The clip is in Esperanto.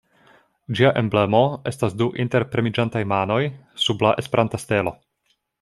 Ĝia emblemo estas du interpremiĝantaj manoj sub la Esperanta stelo.